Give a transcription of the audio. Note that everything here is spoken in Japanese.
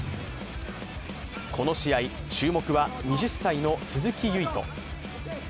この試合、注目は２０歳の鈴木唯人。